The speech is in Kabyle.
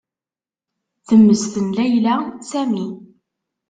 Temmesten Layla Sami.